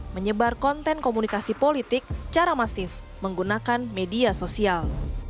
menyebar konten komunikasi politik secara masif menggunakan media sosial